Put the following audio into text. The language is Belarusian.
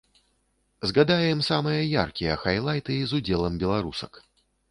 Згадаем самыя яркія хайлайты з удзелам беларусак.